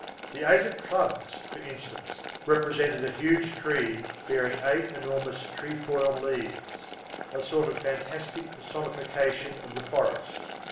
The eight of clubs, for instance, represented a huge tree bearing eight enormous trefoil leaves, a sort of fantastic personification of the forest.